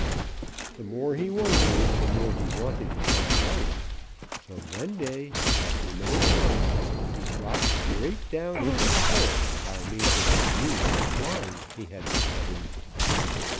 The more he wondered, the more he wanted to find out. So one day, after many trials, he dropped straight down into the hole by means of that new way of flying he had discovered.